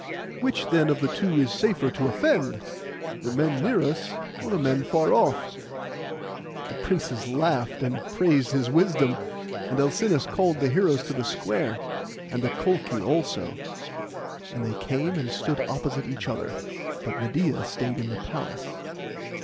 Which, then, of the two is it safer to offend—the men near us, or the men far off?' The princes laughed, and praised his wisdom; and Alcinous called the heroes to the square, and the Colchi also; and they came and stood opposite each other, but Medeia stayed in the palace.